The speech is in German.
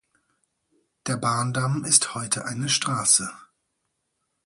Der Bahndamm ist heute eine Straße.